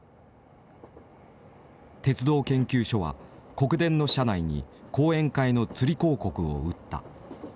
鉄道研究所は国電の車内に講演会のつり広告を打った。